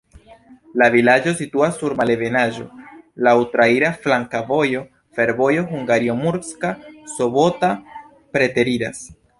La vilaĝo situas sur malebenaĵo, laŭ traira flanka vojo, fervojo Hungario-Murska Sobota preteriras.